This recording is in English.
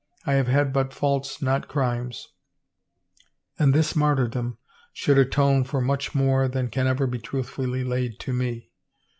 I have had but faults, not crimes, and this martyrdom should atone for much more than can ever be truthfully laid to me.